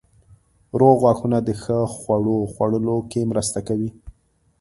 روغ غاښونه د ښه خوړو خوړلو کې مرسته کوي.